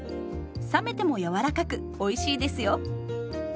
冷めても柔らかくおいしいですよ。